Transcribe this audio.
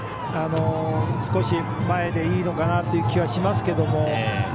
少し前でいいのかなという気もしますけれども。